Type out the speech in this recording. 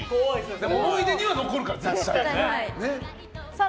でも思い出には残るから！